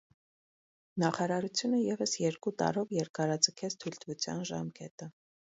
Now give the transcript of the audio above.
Նախարարությունը ևս երկու տարով երկարաձգեց թույլտվության ժամկետը։